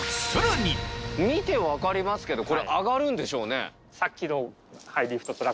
見て分かりますけどこれ上がるんでしょうね。